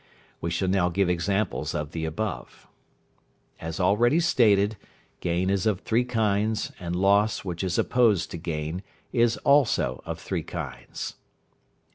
We shall now give examples of the above. As already stated, gain is of three kinds, and loss, which is opposed to gain, is also of three kinds.